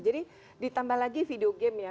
jadi ditambah lagi video game ya